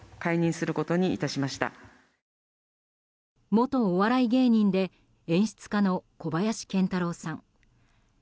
元お笑い芸人で演出家の小林賢太郎さん。